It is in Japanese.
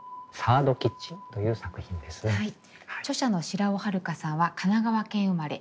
著者の白尾悠さんは神奈川県生まれ